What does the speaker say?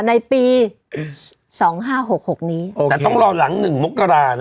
ในปีสองห้าหกหกนี้แต่ต้องรอหลังหนึ่งมกรานะ